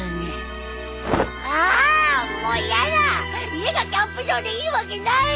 家がキャンプ場でいいわけないよ！